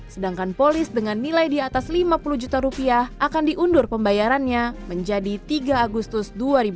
sedangkan polis dengan nilai di atas lima puluh juta rupiah akan diundur pembayarannya menjadi tiga agustus dua ribu dua puluh